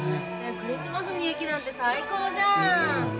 クリスマスに雪なんて最高じゃん。